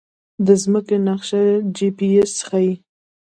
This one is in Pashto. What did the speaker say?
د ځمکې نقشه جی پي اس ښيي